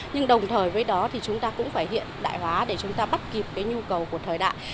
nhưng đồng thời với đó thì chúng ta cũng phải hiện đại hóa để chúng ta bắt kịp cái nhu cầu của thời đại